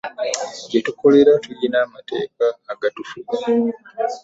Gye tukolera tulina amateeka agatufuga.